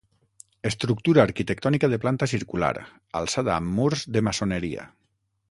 Estructura arquitectònica de planta circular, alçada amb murs de maçoneria.